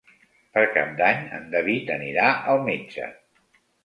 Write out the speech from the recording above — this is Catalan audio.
Per Cap d'Any en David anirà al metge.